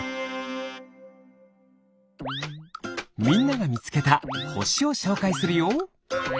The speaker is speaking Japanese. みんながみつけたほしをしょうかいするよ。